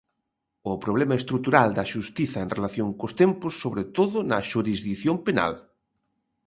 O problema estrutural da xustiza en relación cos tempos, sobre todo na xurisdición penal.